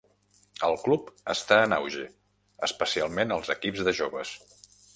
El club està en auge, especialment els equips de joves.